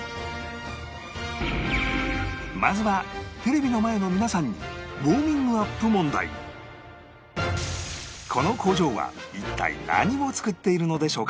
まずはテレビの前の皆さんにこの工場は一体何を作っているのでしょうか？